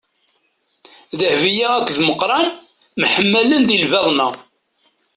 Dehbiya akked Meqran myeḥmalen di lbaḍna.